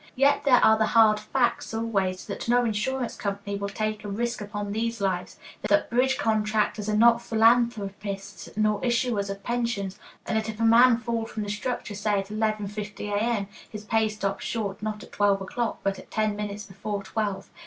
Yet there are the hard facts always, that no insurance company will take a risk upon these lives, that bridge contractors are not philanthropists nor issuers of pensions, and that if a man fall from the structure, say at 11.50 A.M., his pay stops short not at twelve o'clock, but at ten minutes before twelve.